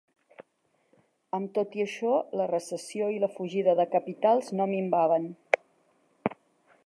Amb tot i això, la recessió i la fugida de capitals no minvaven.